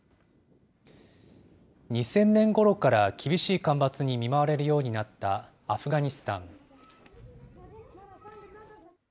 ２０００年ごろから厳しい干ばつに見舞われるようになったアフガニスタン。